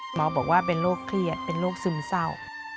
หมอบอกว่าเป็นโรคเครียดเป็นโรคซึมเศร้า